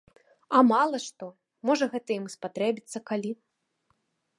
А мала што, можа, гэта ім і спатрэбіцца калі.